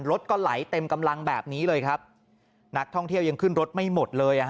รถก็ไหลเต็มกำลังแบบนี้เลยครับนักท่องเที่ยวยังขึ้นรถไม่หมดเลยอ่ะฮะ